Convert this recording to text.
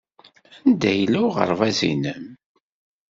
Anda yella uɣerbaz-nnem?